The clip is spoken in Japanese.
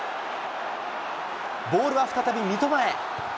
ボールは再び三笘へ。